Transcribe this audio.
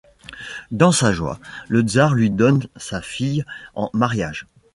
Dans sa joie, le tsar lui donne sa fille en mariage.